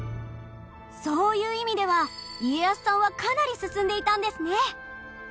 そういう意味では家康さんはかなり進んでいたんですね。